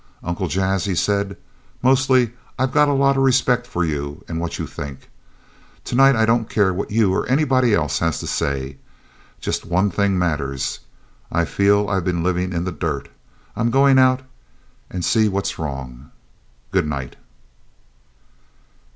"Uncle Jas," he said, "mostly I got a lot of respect for you and what you think. Tonight I don't care what you or anybody else has to say. Just one thing matters. I feel I've been living in the dirt. I'm going out and see what's wrong. Good night."